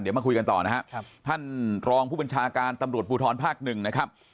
เดี๋ยวมาคุยกันต่อนะครับท่านรองผู้บัญชาการตำรวจภูทรภาคหนึ่งนะครับ